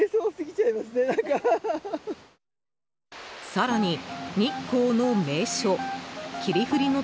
更に、日光の名所霧降ノ